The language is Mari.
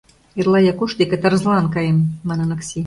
— Эрла Якуш деке тарзылан каем, — манын Окси.